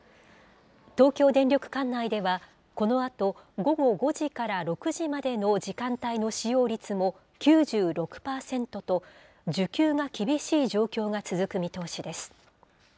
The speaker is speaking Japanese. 東京電力管内では、このあと、午後５時から６時までの時間帯の使用率も９６％と、需給が厳しい状況が続く見通しです。